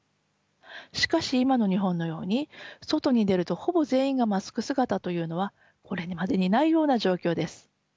しかし今の日本のように外に出るとほぼ全員がマスク姿というのはこれまでにないような状況です。